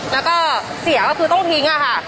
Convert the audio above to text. แล้วก็เสียก็คือต้องทิ้งค่ะ